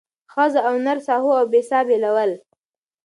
ښځه او نر ساهو او بې ساه بېلول